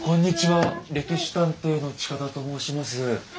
「歴史探偵」の近田と申します。